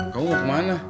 kamu mau kemana